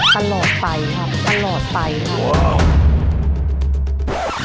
ตลอดไปครับตลอดไปครับ